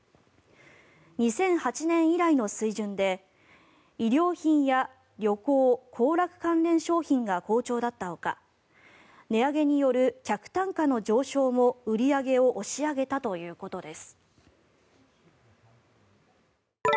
２００８年以来の水準で衣料品や旅行・行楽関連商品が好調だったほか値上げによる客単価の上昇も売り上げを押し上げたということです。